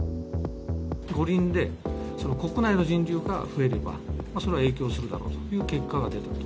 五輪で国内の人流が増えれば、それは影響するだろうという結果が出ていると。